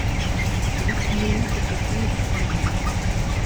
جګړه د ملت د خوښۍ خنډ ده